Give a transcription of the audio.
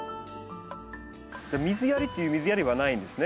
水やりという水やりはないんですね。